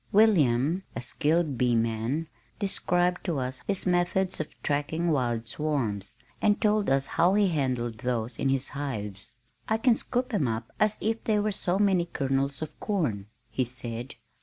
William, a skilled bee man, described to us his methods of tracking wild swarms, and told us how he handled those in his hives. "I can scoop 'em up as if they were so many kernels of corn," he said.